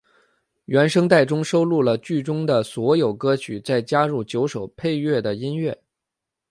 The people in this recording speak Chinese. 原声带中收录了剧中的所有歌曲再加入九首配乐的音乐。